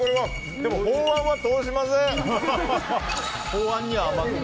でも法案は通しません。